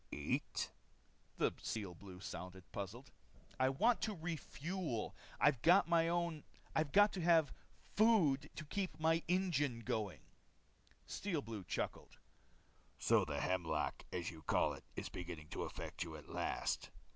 "Eat?" The Steel Blue sounded puzzled. "I want to refuel. I've got to have food to keep my engine going." Steel Blue chuckled. "So the hemlock, as you call it, is beginning to affect you at last?